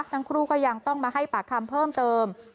ทั้งคู่ก็ยังต้องมาให้ปากคำเพิ่มเติม